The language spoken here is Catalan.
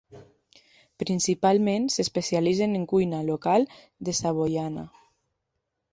Principalment s'especialitzen en cuina local de Savoiana.